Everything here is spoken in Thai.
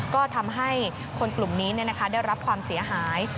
ก็ทำให้คนกลุ่มนี้ได้รับความเสียหาย